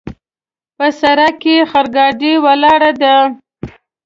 په سړک کې خرګاډۍ ولاړ ده